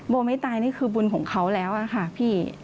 ไม่ตายนี่คือบุญของเขาแล้วอะค่ะพี่